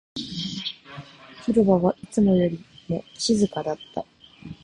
広場はいつもよりも静かだった